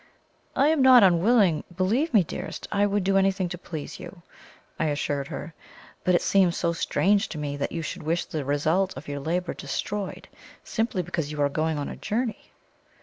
"I am not unwilling believe me, dearest, I would do anything to please you," I assured her; "but it seems so strange to me that you should wish the result of your labour destroyed, simply because you are going on a journey."